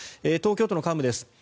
東京都の幹部です。